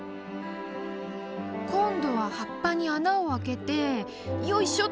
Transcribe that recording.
こんどははっぱにあなをあけてよいしょ！